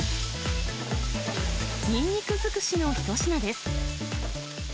ニンニク尽くしの一品です。